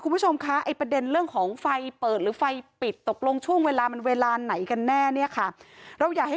คุณผู้ชมคะไอ้ประเด็นเรื่องของไฟเปิดหรือไฟปิดตกลงช่วงเวลามันเวลาไหนกันแน่เนี่ยค่ะเราอยากให้